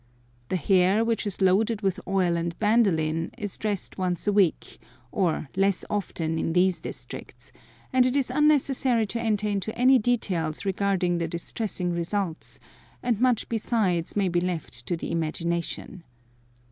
The hair, which is loaded with oil and bandoline, is dressed once a week, or less often in these districts, and it is unnecessary to enter into any details regarding the distressing results, and much besides may be left to the imagination.